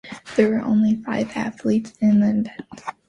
There were only five athletes in the event.